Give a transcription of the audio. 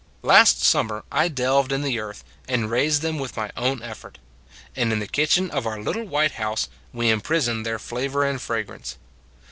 Last summer I delved in the earth and raised them with my own effort. And in the kitchen of our little white house we imprisoned their flavor and fragrance.